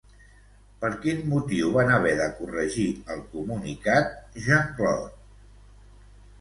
Per quin motiu van haver de corregir el comunicat Jean-Claude?